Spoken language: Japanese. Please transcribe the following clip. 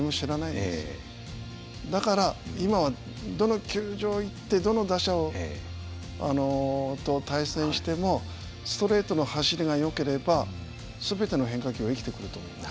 だから今はどの球場行ってどの打者と対戦してもストレートの走りがよければ全ての変化球は生きてくると思います。